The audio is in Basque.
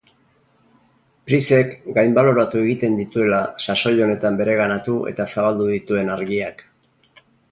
Pricek gainbaloratu egiten dituela sasoi honetan bereganatu eta zabaldu dituen argiak.